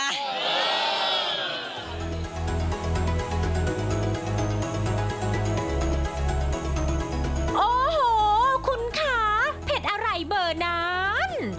นี่ต้องยกให้พี่น้องเย็นโอ้โหคุณค้าเผ็ดอะไรเบอร์นั้น